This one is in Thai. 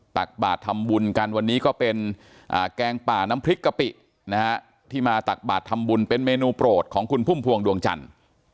ตักบาททำบุญกันวันนี้ก็เป็นแกงป่าน้ำพริกกะปินะฮะที่มาตักบาททำบุญเป็นเมนูโปรดของคุณพุ่มพวงดวงจันทร์